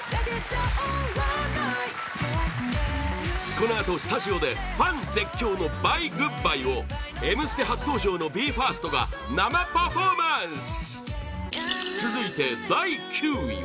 このあと、スタジオでファン絶叫の「Ｂｙｅ‐Ｇｏｏｄ‐Ｂｙｅ」を「Ｍステ」初登場のＢＥ：ＦＩＲＳＴが生パフォーマンス！